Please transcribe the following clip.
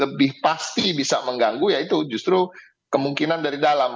lebih pasti bisa mengganggu ya itu justru kemungkinan dari dalam